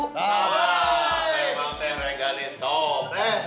nah memang teh reganis toh